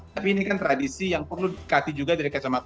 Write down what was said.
tapi ini kan tradisi yang perlu dikati juga dari kacamata